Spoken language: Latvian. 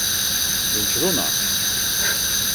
Viņš runā!